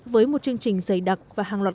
với một chương trình dày đặc và hàng loạt